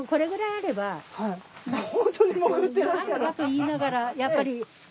あればと言いながらやっぱり。